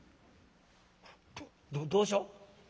「どどうしよ？